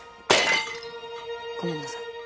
ごめんなさい。